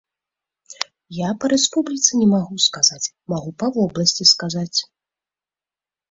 Я па рэспубліцы не магу сказаць, магу па вобласці сказаць.